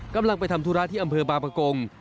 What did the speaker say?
กำลังไปทำธุระที่อำเภอบางประกง